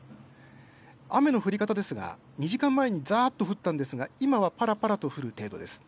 雨の降り方ですが２時間前にざーっと降ったんですが今はぱらぱらと降る程度です。